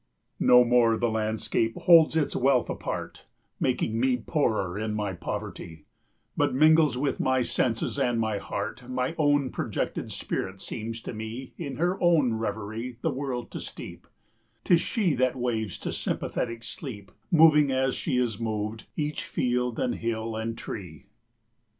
No more the landscape holds its wealth apart, Making me poorer in my poverty, But mingles with my senses and my heart; 10 My own projected spirit seems to me In her own reverie the world to steep; 'Tis she that waves to sympathetic sleep, Moving, as she is moved, each field and hill and tree.